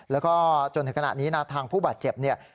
แล้วก็จนถึงขณะนี้นะทางผู้บาดเจ็บเนี่ย